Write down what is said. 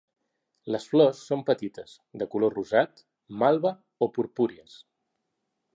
Les flors són petites, de color rosat, malva o purpúries.